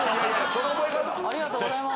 ありがとうございます。